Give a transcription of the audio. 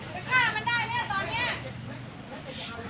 จะฆ่ามันได้ไหมล่ะตอนเนี้ย